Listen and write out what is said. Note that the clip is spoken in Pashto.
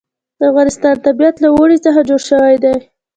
د افغانستان طبیعت له اوړي څخه جوړ شوی دی.